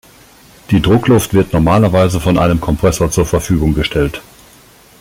Die Druckluft wird normalerweise von einem Kompressor zur Verfügung gestellt.